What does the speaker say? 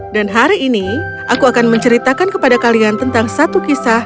dan hari ini aku akan menceritakan kepada kalian tentang satu kisah